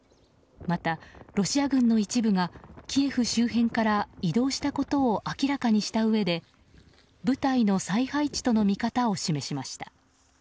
また、ロシア軍の一部がキエフ周辺から移動したことを明らかにしたうえで部隊の再配置との見方を示しました。